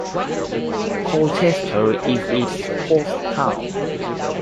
Colchester is its post town.